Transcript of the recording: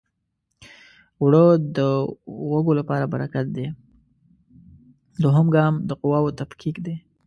دوهم ګام د قواوو تفکیک دی.